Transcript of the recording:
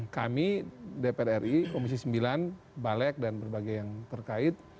kami dpr ri komisi sembilan balek dan berbagai yang terkait